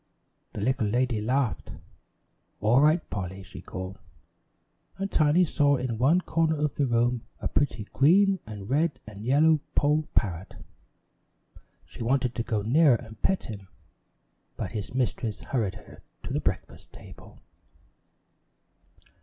The little lady laughed. "All right, Polly," she called, and Tiny saw in one corner of the room a pretty green and red and yellow poll parrot. She wanted to go nearer and pet him, but his mistress hurried her to the breakfast table.